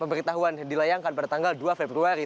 pemberitahuan dilayangkan pada tanggal dua februari